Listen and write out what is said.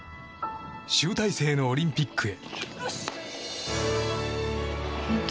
集大成のオリンピックへ。